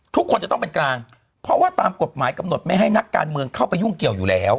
ทุกคนจะต้องเป็นกลางเพราะว่าตามกฎหมายกำหนดไม่ให้นักการเมืองเข้าไปยุ่งเกี่ยวอยู่แล้ว